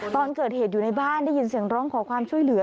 ตอนเกิดเหตุอยู่ในบ้านได้ยินเสียงร้องขอความช่วยเหลือ